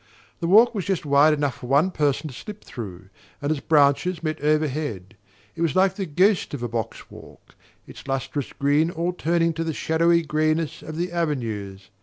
The walk was just wide enough for one person to slip through, and its branches met overhead. It was like the ghost of a box walk, its lustrous green all turning to the shadowy greyness of the avenues.